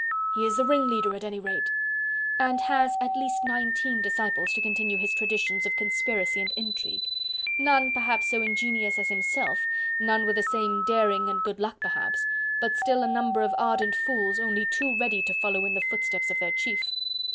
"He is the ringleader, at any rate..." "And has at least nineteen disciples to continue his traditions of conspiracy and intrigue. None perhaps so ingenuous as himself, none with the same daring and good luck perhaps, but still a number of ardent fools only too ready to follow in the footsteps of their chief.